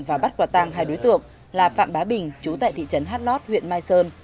và bắt quả tăng hai đối tượng là phạm bá bình chú tại thị trấn hát lót huyện mai sơn